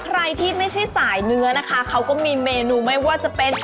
ใครที่ไม่ใช่สายเนื้อนะคะเขาก็มีเมนูไม่ว่าจะเป็น